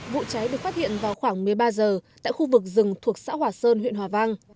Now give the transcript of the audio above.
vụ cháy được phát hiện vào khoảng một mươi ba giờ tại khu vực rừng thuộc xã hòa sơn huyện hòa vang